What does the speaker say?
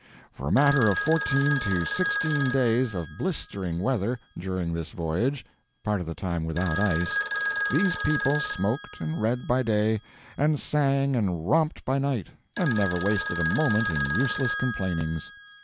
For a matter of fourteen to sixteen days of blistering weather, during this voyage (part of the time without ice) these people smoked and read by day, and sang and romped by night, and never wasted a moment in useless complainings.